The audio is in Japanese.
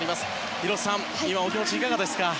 広瀬さん、今のお気持ちいかがですか？